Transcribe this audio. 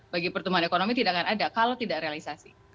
bagi pertumbuhan ekonomi tidak akan ada kalau tidak realisasi